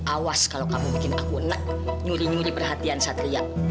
awas kalau kamu bikin aku enak nyuri nyuri perhatian satria